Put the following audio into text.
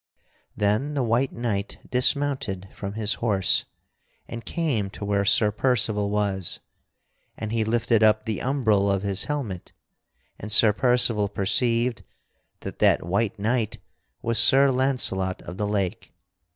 '" Then the white knight dismounted from his horse and came to where Sir Percival was. And he lifted up the umbril of his helmet, and Sir Percival perceived that that white knight was Sir Launcelot of the Lake.